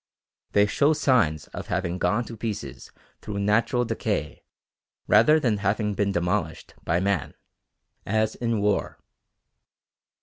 They show signs of having gone to pieces through natural decay rather than having been demolished by man, as in war.